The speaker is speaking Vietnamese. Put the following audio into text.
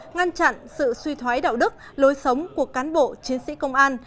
ngăn chặn sự suy thoái đạo đức lối sống của cán bộ chiến sĩ công an